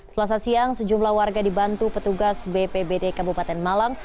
selasa siang sejumlah warga dibantu petugas bpbd kabupaten malang